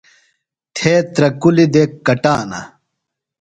تھےۡ ترہ کُلیۡ دےۡ کٹانہ۔